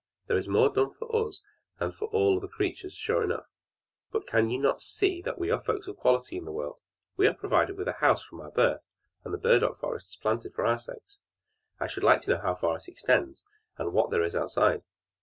There is more done for us than for all other creatures, sure enough; but can you not see that we are folks of quality in the world? We are provided with a house from our birth, and the burdock forest is planted for our sakes! I should like to know how far it extends, and what there is outside!"